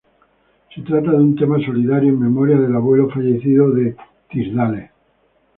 Se trata de un tema solidario en memoria del abuelo fallecido de Tisdale.